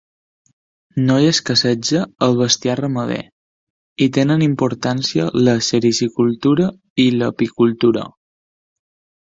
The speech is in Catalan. No hi escasseja el bestiar ramader, i tenen importància la sericicultura i l'apicultura.